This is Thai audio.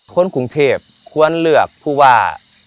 คนกรุงเทพควรเลือกผู้ว่า